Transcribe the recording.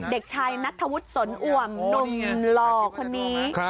เด็กชายนักถุวุธสนอ่วมหนุ่มหล่อขนี้